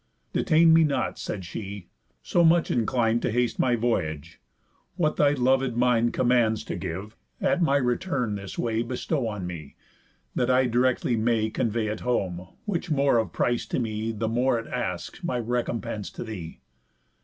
"Detain me not," said she, "so much inclin'd To haste my voyage. What thy loved mind Commands to give, at my return this way, Bestow on me, that I directly may Convey it home; which more of price to me The more it asks my recompense to thee."